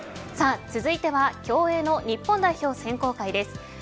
続いては競泳の日本代表選考会です。